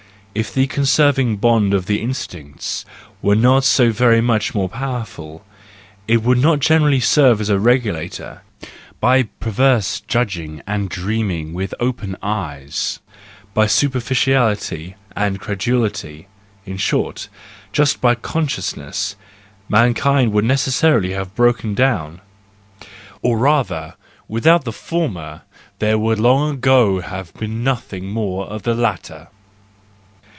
If the conserv¬ ing bond of the instincts were not very much more powerful, it would not generally serve as a regulator: by perverse judging and dreaming with open eyes, by superficiality and credulity, in short, just by consciousness, mankind would necessarily have broken down : or rather, without the former there would long ago have been nothing more of the latter!